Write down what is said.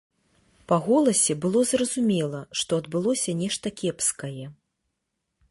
Па голасе было зразумела, што адбылося нешта кепскае.